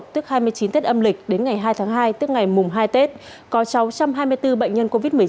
chín tết âm lịch đến ngày hai tháng hai tức ngày mùng hai tết có sáu trăm hai mươi bốn bệnh nhân covid một mươi chín